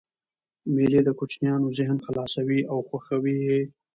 مېلې د کوچنيانو ذهن خلاصوي او خوښوي یې.